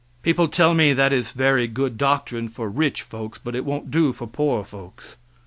People tell me that is very good doctrine for rich folks, but it won't do for poor folks.